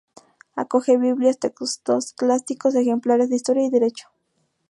Acoge Biblias, textos clásicos, ejemplares de historia y derecho.